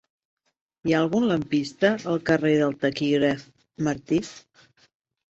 Hi ha algun lampista al carrer del Taquígraf Martí?